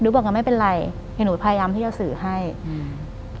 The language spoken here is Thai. หรือบอกกันไม่เป็นไรเห็นหนูพยายามที่จะสื่อให้อืม